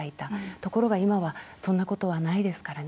ところが、今はそんなことはないですからね。